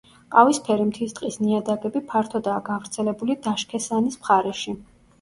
ყავისფერი მთის ტყის ნიადაგები ფართოდაა გავრცელებული დაშქესანის მხარეში.